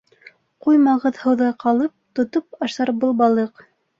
Ҡуймағыҙ һыуҙа ҡалып, Тотоп ашар был балыҡ.